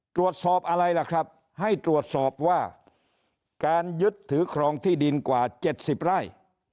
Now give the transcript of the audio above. ตรวจสอบอะไรล่ะครับให้ตรวจสอบว่าการยึดถือครองที่ดินกว่า๗๐ไร่